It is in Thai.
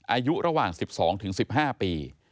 อายุระหว่าง๑๒๑๕ปี